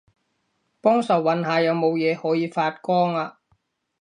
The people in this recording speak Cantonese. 幫手搵下有冇嘢可以發光吖